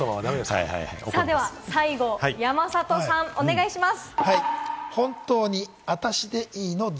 最後、山里さん、お願いします。